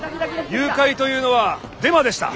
誘拐というのはデマでした。